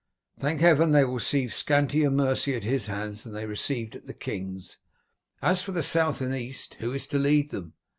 Thank heaven they will receive scantier mercy at his hands than they received at the king's. As for the South and East, who is to lead them?